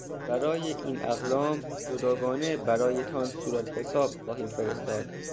برای این اقلام جداگانه برایتان صورت حساب خواهیم فرستاد.